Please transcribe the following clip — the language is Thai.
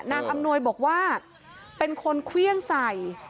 อำนวยบอกว่าเป็นคนเครื่องใส่